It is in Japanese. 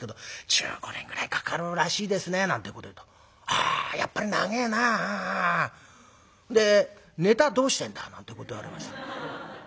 「１５年ぐらいかかるらしいですね」なんてこと言うと「ああやっぱり長えなあ。でネタどうしてんだ？」なんてこと言われまして。